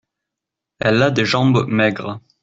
Elle a des jambes maigres.